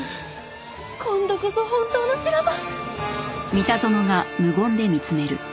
今度こそ本当の修羅場！